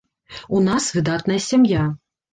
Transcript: У нас выдатная сям'я.